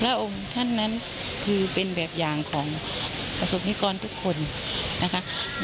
องค์ท่านนั้นคือเป็นแบบอย่างของประสบนิกรทุกคนนะคะ